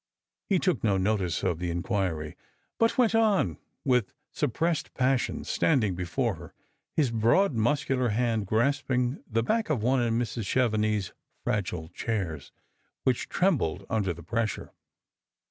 He took no notice of the inquiry, but went on, with suppressed passion, standing before her, his broad muscular hand grasping the back of one of Mrs. Chevenix's fragile chairs, which trem bled under the pressure.